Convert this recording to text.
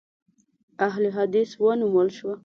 اهل حدیث ونومول شوه.